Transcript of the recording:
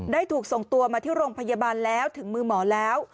ได้ถูกส่งตัวมาที่โรงพยาบาลแล้วถึงมือหมอแล้ว